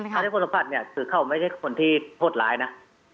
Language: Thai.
ถ้าเป็นคนสัมผัสเนี่ยคือเขาไม่ใช่คนที่โทษร้ายนะ